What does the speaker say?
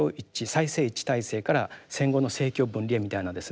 祭政一致体制から戦後の政教分離へみたいなですね